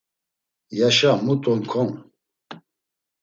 Yaşa mut on kon.